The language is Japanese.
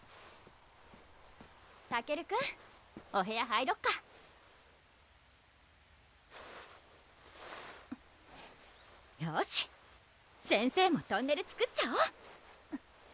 たけるくんお部屋入ろっかよし先生もトンネル作っちゃおう！